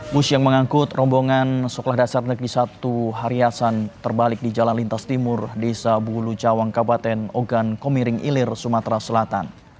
bus yang mengangkut rombongan sekolah dasar negeri satu hariasan terbalik di jalan lintas timur desa bulu cawang kabupaten ogan komiring ilir sumatera selatan